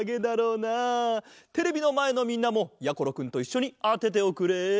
テレビのまえのみんなもやころくんといっしょにあてておくれ。